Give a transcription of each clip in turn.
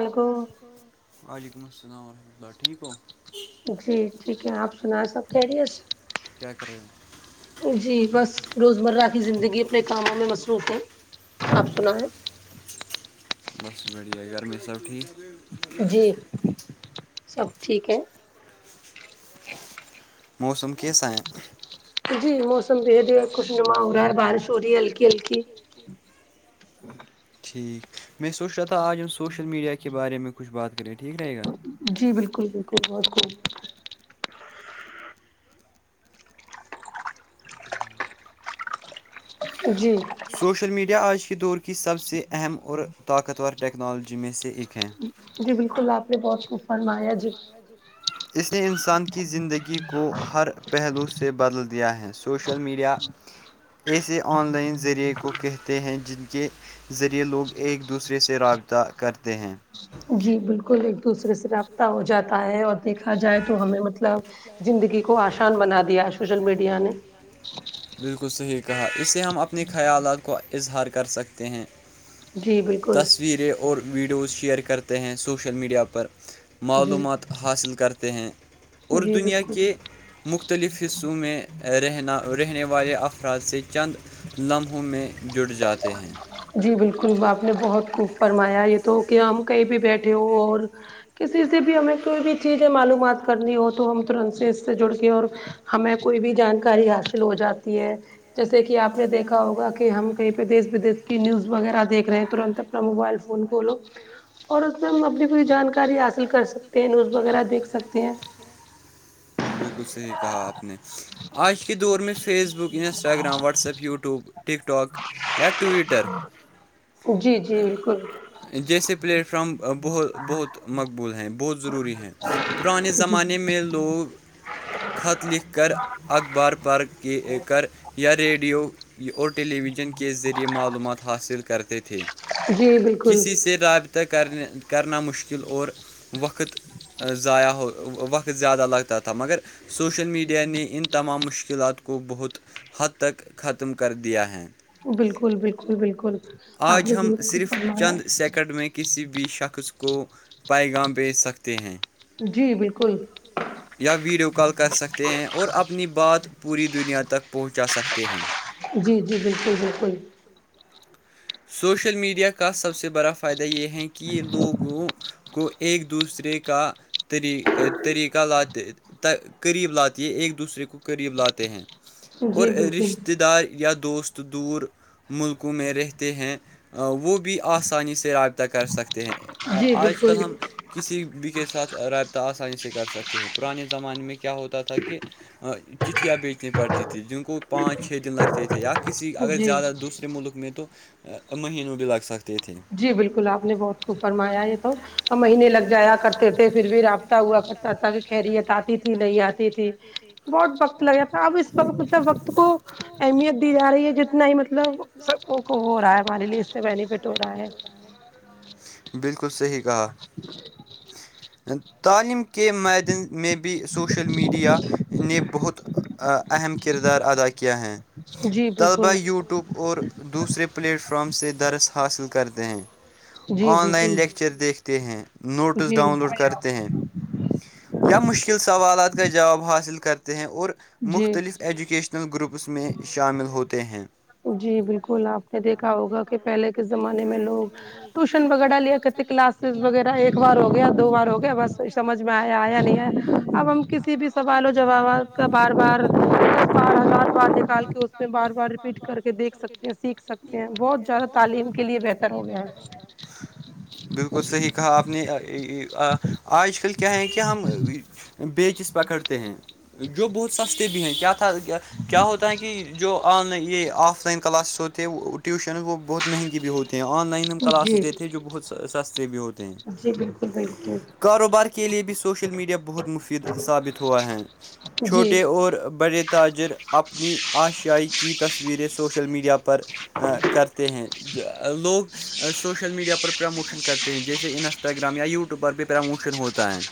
السلام علیکم وعلیکم السلام ورحمۃ اللہ ٹھیک ہو جی ٹھیک ہے آپ سنا سب خریے سے کیا کر رہے ہو جی بس روزمرہ کی زندگی اپنے کاموں میں مصروف ہے آپ سنا ہے بس بڑھیا گرمی سب ٹھیک جی سب ٹھیک ہے موسم کی س ہیں جی موسم بھید ہے خوش نما ہو رہا ہے بارش ہو رہی ہے ہلکی ہلکی ٹھیک میں سوچ رہا تھا آج ان سوشل میڈیا کے بارے میں کچھ بات کریں ٹھیک رہے گا جی بالکل بالکل بہت خوب جی سوشل میڈیا آج کے دور کی سب سے اہم اور طاقتور ٹیکنالوجی میں سے ایک ہے جی بالکل آپ نے بہت خوف فرمایا جی ج اس نے انسان کی زندگی کو ہر پہلو سے بدل دیا ہے سوشل میڈیا ایسے آن لائن ذریعے کو کہتے ہیں جن کے ذریعے لوگ ایک دوسرے سے رابطہ کرتے ہیں جی بالکل ایک دوسرے سے آاب ہو جاتا ہے اور دیکھا جائے تو ہمیں مطلب زندگی کو آسان بنا دیا سوشل میڈیا نے بالکل صحیح کہا اسے ہم اپنے خیالات کو اظہار کر سکتے ہیں جی بالکل تصویریں اور ویڈیوز شیئر کرتے ہیں سوشل میڈیا پر معلومات حاصل کرتے ہیں اور دنیا کے مفت مختلف حصوں میں رہنا رہنے والے افراد سے چند لمحوں میں جٹ جاتے ہیں جی بالکل آپ نے بہت خوف فرمایا یہ تو کہ ہم کہیں بھی بیٹھے ہو اور کسی سے بھی ہمیں کوئی بھی چیزیں معلومات کرنی ہو تو ہم ترنت سے اس سے جڑ کے اور ہمیں کوئی بھی جانکاری حاصل ہو جاتی ہے جیسے کہ آپ نے دیکھا ہوگا کہ ہم کئی دیس ودی کی نیوز وغیرہ دیک رہے ہیں تنت اپنا موبائل فون کھولو اور اس میں ہم اپنی پوری جانکاری حاصل کر سکتے ہیں نیوز وغیرہ دیکھ سکتے ہیں بال کچھ سے ہی کہا آپ نے آج کے دور میں Facebook Instagram WhatsApp YouTube TikTok Twitter جی جی بالکل جیسے پلیٹ فارم بہت بہت مقبول ہیں بہت ضروری ہیں پرانے زمانے میں لوگ خط لکھ کر اخبار پار کے کر یا ریڈیو اور ٹیلی ویژن کے ذریعے معلومات حاصل کرتے تھے کسی سے رابطہ کرنے کرنا مشکل اور وقت ضائع ہو وقت زیادہ لگتا تھا مگر سوشل میڈیا نے ان تمام مشکلات کو بہت حد تک ختم کر دیا ہے بالکل بالکل بالکل آج ہم صرف چند سیکنڈ میں کسی بھی شخص کو پیغام بیج سکتے ہیں جی بالکل یا ویڈیو کال کر سکتے ہیں اور اپنی بات پوری دنیا تک پہنچا سکتے ہیں جی جی بالکل بالکل سوشل میڈیا کا سب سے بڑا فائدہ یہ ہے کہ لوگوں کو ایک دوسرے کا طری طریقہ لاتے قریب لاتے ہے ایک دوسرے کو قریب لاتے ہیں اور رشتہ دار یا دوست دور ملکوں میں رہ ہیں وہ بھی آسانی سے رابطہ کر سکتے ہیں آج کل ہم کسی بھی کے ساتھ رابطہ آسانی سے کر سکتے ہیں پرانے زمانے میں کیا ہوتا تھا کہ چٹیا بیچتے پر تھی جن کو پانچ چھ دن لگتے تھے یا کسی اگر زیادہ دوسرے ملک میں تو مہینوں بھی لگ ستے ا تھے جی بالکل آپ نے بہت خوب فرمایا یہ تو مہینے لگ جایا کرتے تھے پھر بھی رابطہ ہوا کر تک خیریت آتی تھی نہیں آتی تھی بہت وقت لگا تھا اب اس وقتب وقت کو اہمیت دی جا رہی ہے جتنا ہی مطلب سب کو ہو رہا ہے ہمارے لیے اس سے بینفٹ بالکل صی کہا تعلیم کے معدین میں بھی سوشل میڈیا نے بہت اہم کردار ادا کیا ہے طلبا یوٹیوب اور دوسرے پلیٹ فارم سے درس حاصل کرتے ہیں آن لائن لیکچر دیکھتے ت ہیں نوٹس ڈاؤن لوڈ کرتے ہیں یا مشکل سوالات کا جواب حاصل کرتے ہیں اور مختلف ایجوکیشنل گروپس میں شامل ہوتے ہیں جی بالکل آپ نے دیکھا ہوگا کہ پہلے کے زمانے میں لوگ ٹیوشن وغیرہ لیا کتے کلاس وغیرہ ایک بار ہو گیا دو بار ہو گیا بس سمجھ میں آیا یا نہیں آیا اب ہم کسی بھی سوال اور جوابات کا بار بار بار ہزار بار نکال کے اس میں بار بار بار بار رپیٹ کر کے دیکھ سکتے ہیں سیکھ سکتے ہیں بہت زیادہ تعلیم کے لیے بہتر ہو گا بالکل صحیح کہا آپ نے آج کل کیا ہے کہ ہم بیچز پکڑتے ہیں جو بہت سستے بھی ہیں کیا تھا کیا ہوتا ہے کہ جو آن یہ آف لائن کلاسز ہوتے ہیں ٹیوشنز وہ بہت مہنگی بھی ہوتے ہیں آن لائن کلاسز دیتے ہیں جو بہت سستے بھی ہوتے جی بالکل بالکل کاروبار کے لیے بھی سوشل میڈیا بہت مفید ثابت ہوا ہے چھوٹے اور بڑے تاجر اپنی آشیاائی کی تصویریں سوشل میڈیا پر کرتے ہیں لوگ سوشل میڈیا پروموشن کرتے ہیں جیسے انسٹاگرام یا یوٹیوب پر بھی پرموشن ہوتا ہے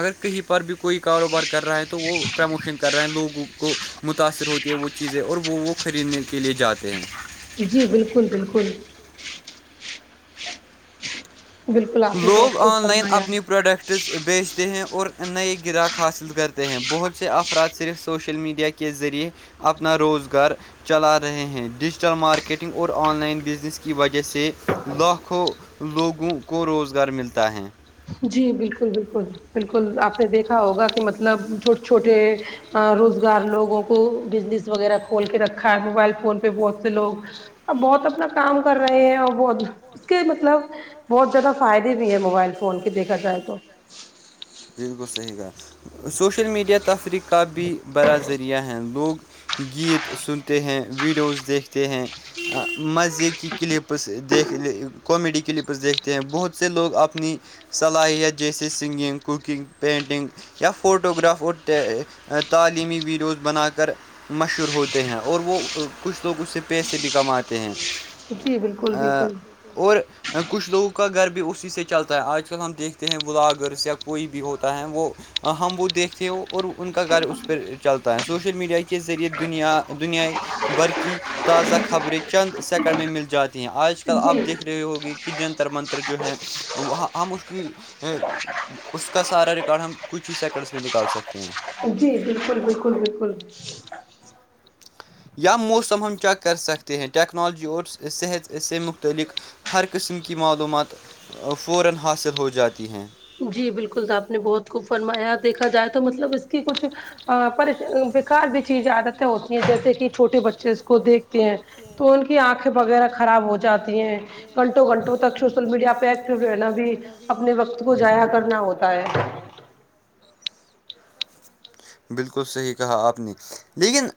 اگر کہیں پر بھی کوئی کاروبار کر رہا ہے تو وہ پروموشن کر رہے ہیں لوگوں کو متاثر ہوتی ہے وہ چیزیں اور وہ وہ خریدنے کے لیے جاتے ہیں جی بالکل بالکل لوگ آن لائن اپنی پرروڈکٹ بیچتے ہیں اور نئے گراہک حاصل کرتے ہیں بہت سے افراد صرف سوشل میڈیا کے کے ذریعے اپنا روزگار چلا رہے ہیں ڈیجیٹل مارکیٹنگ اور آن لائن بزنس کی وجہ سے لاکھوں لوگوں کو روزگار ملتا ہے جی بالکل بالکل بالکل آپ نے دیکھا ہوگا کہ مطلب چھوٹے چھوٹے روزگار لوگوں کو بزنس وغیرہ کھول کے رکھا ہے موبائل فون پہ بہت سے لوگ اب بہت اپنا کام کر رہے ہیں اور بہت اس کے مطلب بہت زیادہ فائدے بھی ہیں موبائل فون کے دیکھا جائے تو بالکل صحیح گا سوشل میڈیا تفریح کا بھی بڑا ذریعہ ہے لوگ گیت سنتے ہیں ویڈیوز دیکھتے ہیں مزے کی کلپس دیکھ کامیڈی کلپس دیکھتے ہیں بہت سے لوگ اپنی صلاحیت جیسے سنگنگ ککنگ پینٹنگ فوٹوگراف اور تعلیمی ویڈیوز بنا کر کر مشہور ہوتے ہیں اور وہ کچھ لوگ اس سے پیسے بھی کماتے ہیں ہ اور کچھ لوگوں کا گھر بھی اسی سے چلتا ہے آج کل ہم دیکھتے ہیں بلاگرس یا کوئی بھی ہوتا ہے وہ ہم وہ دیکھتے ہو اور ان کا گھر اس پہ چلتا ہے سوشل میڈیا کے ذریعے دنیا دنیا برقی تازہ خبریں چند سیکنڈ میں مل جاتی ہیں آج آج کل آپ دیکھ رہے ہوگی کہ جنتر منتر جو ہے وہ ہم اس کی اس کا سارا ریکارڈ ہم کچھ ہی سیکنڈس میں نکال سکتے ہیں جی بالکل بالکل بالکل یا موسم ہم چیک کر سکتے ہیں ٹیکنالوجی اور صحت سے مختلق ہر قسم کی معلومات فورا حاصل ہو جاتی ہیں جی بالکل آپ نے بہت خ فرمایا دیکھا جائے تو مطلب اس کی کچھ پر بیکار بھی چیزیں عادتیں ہوتی ہیں جیسے کہ چھوٹے بچے اس کو دیکھتے ہیں تو ان کی آنکھ وغیرہ خراب ہو جات ہیں گھنٹوں گھنٹوں تک سوشل میڈیا پہ ایکٹو رہنا بھی اپنے وقت اپنے وقت کو جضایا کرنا ہوتا ہے بالکل صحیح کہا آپ نے لیکن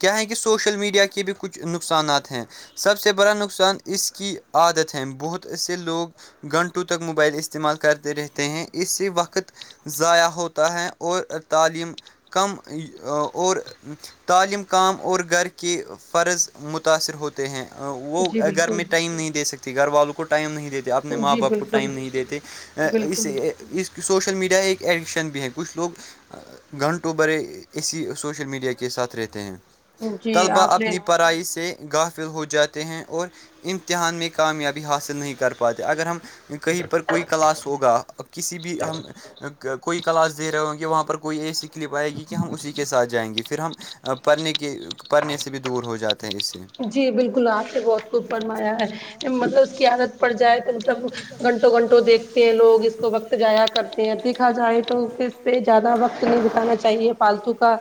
کیا ہے کہ سوشل میڈیا کے بھی کچھ نقصانات ہیں سب سے بڑا نقصان اس کی عادت ہے بہت ای سے لوگ گھنٹوں تک موبائل استعمال کرتے رہتے ہیں اس سے وقت ضائع ہوتا ہے اور تعلیم کم اور تعلیم کام اور گھر کے فرض متاثر ہوتے ہیں وہ گھر میں ٹائم نہیں دے سکتی گھر والوں کو ٹائم نہیں دیتے اپنے ماں باپ کو ٹائم نہیں دیتے اس اس کی سوشل میڈیا ایک ایڈکشن بھی ہے کچھ لوگ گھنٹوں بھرے اسی سوشل میڈیا کے ساتھ رہتے ہیں طلبا اپنی پڑھائی سے غافل ہو جاتے ہیں اور امتحان میں کامیابی حاصل نہیں کر پاتے اگر ہم کہیں پر کوئی کلاس ہوگا کسی بھی ہم کوئی کلاس دے رہے ہوں گے وہاں پر کوئی ای س کلپ آئے گی کہ ہم اسی کے ساتھ جائیں گے پھر ہم پڑھنے کے پڑھنے سے بھی دور ہو جاتے ہیں اس سے جی بالکل آپ سے بہت کچھ فرمایا ہے مطلب اس کی عادت پڑ جائے تو مطلب گھنٹوں گھنٹوں دیکھتے ہیں لوگ اس کو وقت گایا کرتے ہیں دیکھا جائے تو پہ زیادہ وقت نہیں بتانا چاہیے فالتو کا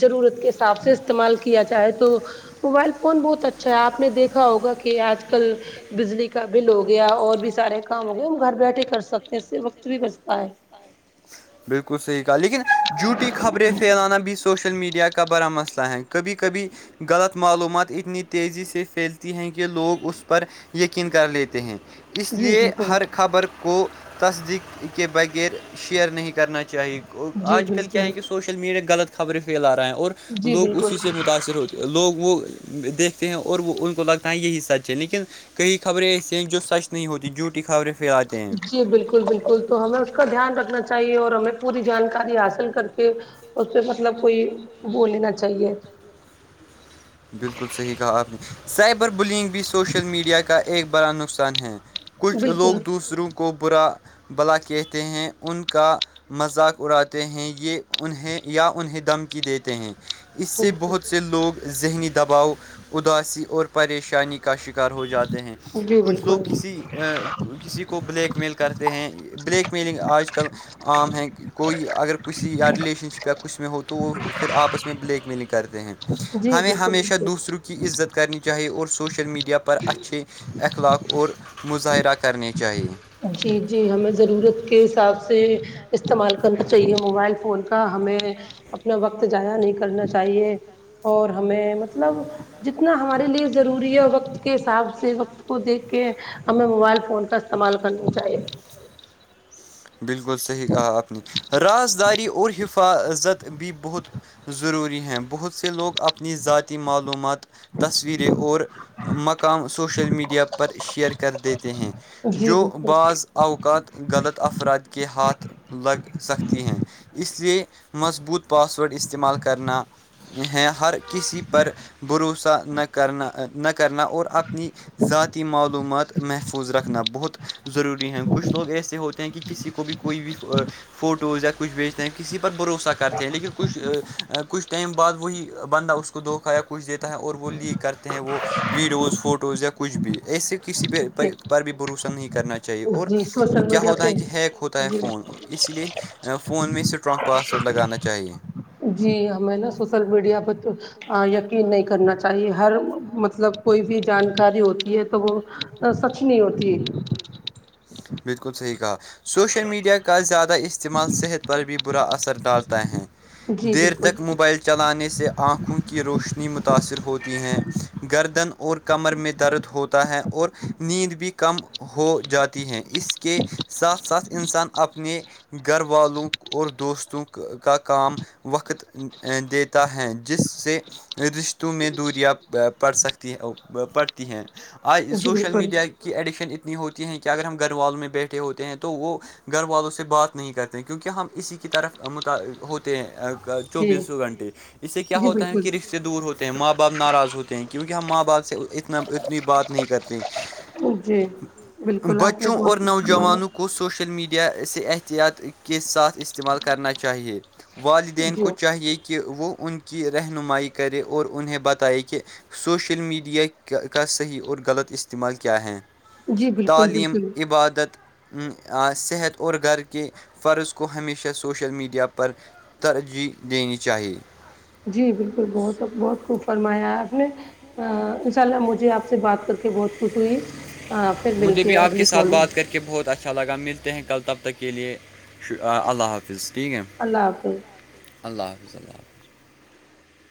ضرورت کے حساب سے استعمال کیا جائے تو موبائل فون بہت اچھا ہے آپ نے دیکھا ہوگا کہ آج کل بجلی کا بل ہو گیا اور بھی سارے کام ہو گئے ہم گھر بیٹھے کر سکتے ہیں اس سے وقت بھی بچتا ہے بالکل صحی گ لیکن جووٹی خبریں پھیلانا بھی سوشل میڈیا کا بڑا مسئلہ ہے کبھی کبھی غلط معلومات اتنی تیزی سے پھیلتی ہیں کہ لوگ اس پر یقین کر لیتے ہیں اس لیے ہر خبر کو کو تصدیق کے بغیر شیئر نہیں کرنا چاہیے آج کل کیا ہے کہ سوشل میڈیاغلط خبریں پھیلا رہے ہیں اور لوگ اسی سے متاثر ہوتے لوگ وہ دیکھتے ہیں اور وہ ان کو لگتا ہے یہی سچ ہے لیکن کئی خبریں ایسی ہیں جو سچ نہیں ہوتی جھوٹی خبریں پلاتے ہیں جی بالکل بالکل تو ہمیں اس کا دھیان رکھنا چاہیے اور ہمیں پوری جانکاری حاصل کر کے اس پہ مطلب کوئی بولینا چاہیے بالکل صحیح کہا آپ نے سائبر بلینگ بھی سوشل میڈیا کا ایک بڑا نقصان ہے کچھ لوگ دوسروں کو برا بھلا کہتے ہیں ان کا مذاق اڑاتے ہیں یہ انہیں یا انہیں دھمکی دیتے ہیں اس سے بہت سے لوگ ذہنی دباؤ اداسی اور پریشانی کا شکار ہو جاتے ہیں کچھ لوگ کسی کسی کو بلیک میل کرتے ہیں بلیک میلنگ آج کل عام ہے کوئی اگر کسی یا رلیشن شپ یا کچھ میں ہو تو وہ پھر آپس میں بلیک میلنگ کرتے جی بالکل بالکل دوسرو کی عزت کرنی چاہیے اور سوشل میڈیا پر اچھے اخلاق اور مظاہرہ کرنے چاہیے جی جی ہمیں ضرورت کے حساب سے استعمال کرنا چاہیے موبائل فون کا ہمیں اپنا وقت جایا نہیں کرنا چاہیے اور ہمیں مطلب جتنا ہمارے لیے ضروری ہے وقت کے حساب سے وقت کو دیکھ کے ہمیں موبائل فون کا استعمال کرنا چاہیے بالکل صحیح کہا اپنی راز داری اور حفاظت بھی بہت ضروری ہیں بہت سے لوگ اپنی ذاتی معلومات تصویریں اور مقام سوشل میڈیا پر شیئر کر دیتے ہیں جو بعض اوقات غلط افراد کے ہاتھ لگ سکتی ہیں اس لیے مضبوط پاس ورڈ استعمال کرنا ہے ہر کسی پر بھروسہ نہ کرنا نہ کرنا اور اپنی ذاتی معلومات محفوظ رکھنا بہت ضروری ہیں کچھ لوگ ایسے ہوتے ہیں کہ کسی کو بھی کوئی بھی فوٹوز یا کچھ بھیجتے ہیں کسی پر بھروسہ کرتے ہیں لیکن کچھ کچھ ٹائم بعد وہی بندہ اس کو دھوکا یا کچھ دیتا ہے اور وہ لی کرتے ہیں وہ ویڈیوز فوٹوز کچھ بھی ایسے کسی پر بھی بھروسہ نہیں کرنا چاہیے اور کیا ہوتا تا ہے کہ ہیک ہوتا ہے فون اس لیے فون میں اسٹرانگ پاسورڈ لگانا چاہیے جی ہمیں نا سوشل میڈیا پہ یقین نہیں کرنا چاہیے ہر مطلب کوئی بھی جانکاری ہوتی ہے تو وہ سچ نہیں ہوتی ہے بالکل صحیح کہا سوشل میڈیا کا زیادہ اس استعمال صحت پر بھی برا اثر ڈالتا ہے دیر تک موبائل چلانے سے آنکھوں کی روشنی متاثر ہوتی ہیں گردن اور کمر میں درد ہوتا ہے اور نیند بھی کم ہو جاتی ہیں اس کے ساتھ ساتھ انسان اپنے گھر والوں اور دوستوں کا کام وقت دیتا ہے جس سے رشتوں میں دوریاں پڑ سکتی ہیں پڑتی ہیں آ سوشل میڈیا کی ایڈکشن اتنی ہوتی ہیں کہ اگر ہم گھر والوں میں بیٹھ ہوتے ہیں تو وہ گھر والوں سے بات نہیں کرتے کیونکہ ہم اسی کی طرف م ہوتے ہیں چوبیسوں گھنٹے اس سے کیا ہوتا ہے کہ رکش دور ہوتے ہیں ماں باپ ناراض ہوتے ہیں کیونکہ ہم ماں باپ سے اتنا اتنی بات نہیں کرتے جی بالکل آپ نے بہت کچھا کو سوشل میڈیا سے احتیاط کے ساتھ استعمال کرنا چاہیے والدین کو چاہیے کہ وہ ان کی رہنمائی کرے اور انہیں بتائے کہ سوشل میڈیا کا صحیح اور غلط استعمال کیا ہیں تعلیم عبادت صحت اور گھر کے فرض کو ہمیشہ سوشل میڈیا پر ترجیح دینی چاہیے جی بالکل بہت بہت خوب فرمایا آپ نے ان شاء اللہ مجھے آپ سے بات کر کے بہت خوش ہوئی پھر ملتی ہے اگلی کال میں کہ بہت اچھا لگا ملتے ہیں کل تب تک کے لیے اللہ حافظ ٹھیک ہے اللہ حافظ اللہ حاظ